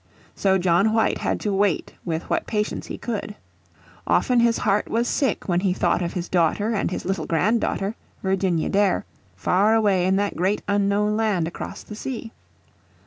So John White had to wait with what patience he could. Often his heart was sick when he thought of his daughter and his little granddaughter, Virginia Dare, far away in that great unknown land across the sea.